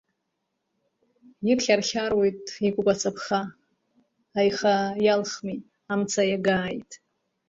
Ирхьархьаруеит икуп ацаԥха, аиха иалхми, амца иагааит!